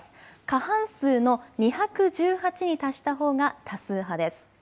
過半数の２１８に達したほうが多数派です。